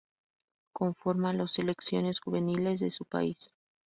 Conforma los seleccionados juveniles de su país.